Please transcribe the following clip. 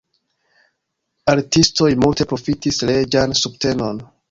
Artistoj multe profitis reĝan subtenon.